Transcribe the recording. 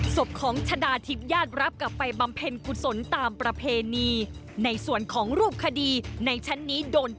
ส่วนหอมชนาทิศยาดรับกลับไปบำเพลงทุกส่วนตามประเพณีในส่วนของรูปคดีในชั้นนี้โดนแจ้ง